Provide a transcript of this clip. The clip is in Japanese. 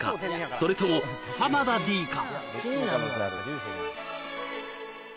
それとも田Ｄか？